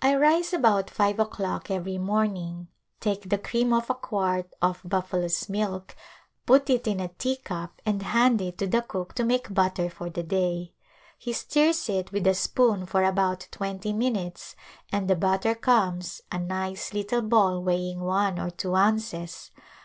I rise about five o'clock every morning, take the cream off a quart of buffalo's milk, put it in a teacup and hand it to the cook to make butter for the day. He stirs it with a spoon for about twenty minutes and the butter comes — a nice little ball weighing one or two ounces.